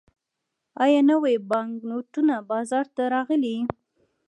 آیا نوي بانکنوټونه بازار ته راغلي؟